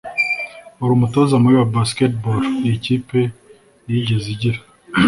uri umutoza mubi wa basketball iyi kipe yigeze igira